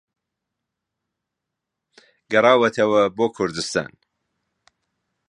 گەڕاوەتەوە بۆ کوردوستان